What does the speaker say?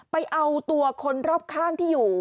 ไปเอาตัวคนรอบข้างที่อยู่